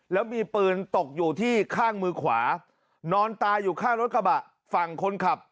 แล้วมีปืนตกอยู่ที่ข้างมือขวานอนตายอยู่ข้างรถกระบะฝั่งคนขับ